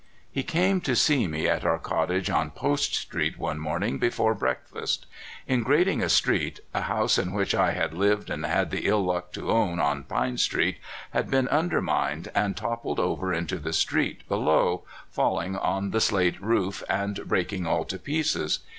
He came to see me at our cottage on Post street one morning before breakfast. In grading a street, a house in which I had lived and had the ill luck to own, on Pine street, had been undermined, and toppled over into the street below, falling on the slate roof and breaking all to pieces.